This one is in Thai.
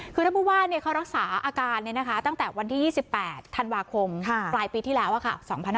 คือท่านพูดว่าเนี่ยเขารักษาอาการเนี่ยนะคะตั้งแต่วันที่๒๘ธันวาคมปลายปีที่แล้วอะค่ะ